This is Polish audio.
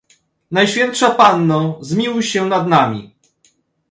"Najświętsza Panno zmiłuj się nad nami!"